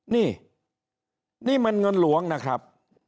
นี่นี่มันเงินหลวงนะครับ